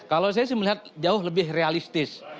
kalau saya sih melihat jauh lebih realistis